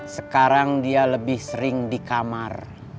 sekarang dia lebih sering di kamar